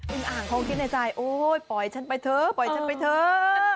อ่างเขาคิดในใจโอ๊ยปล่อยฉันไปเถอะปล่อยฉันไปเถอะ